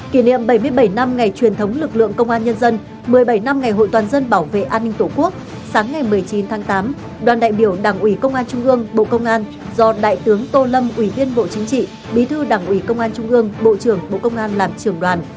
kỷ niệm bảy mươi bảy năm ngày truyền thống lực lượng công an nhân dân một mươi bảy năm ngày hội toàn dân bảo vệ an ninh tổ quốc sáng ngày một mươi chín tháng tám đoàn đại biểu đảng ủy công an trung gương bộ công an do đại tướng tô lâm ủy viên bộ chính trị bí thư đảng ủy công an trung ương bộ trưởng bộ công an làm trưởng đoàn